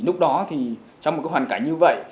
lúc đó thì trong một cái hoàn cảnh như vậy